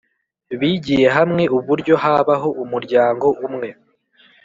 Bigiye hamwe uburyo habaho umuryango umwe